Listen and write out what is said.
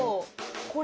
これ。